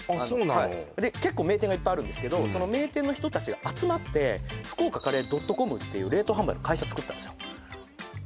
そうなのはい結構名店がいっぱいあるんですけどその名店の人達が集まって福岡カレードットコムっていう冷凍販売の会社作ったんですよ